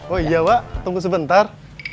oh iya wak tunggu sebentar